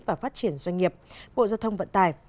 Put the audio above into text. và phát triển doanh nghiệp bộ giao thông vận tải